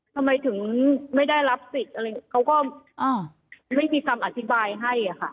ทำไมถึงไม่ได้รับสิทธิ์อะไรเขาก็ไม่มีคำอธิบายให้ค่ะ